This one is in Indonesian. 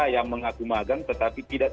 yang mengaku magang tetapi tidak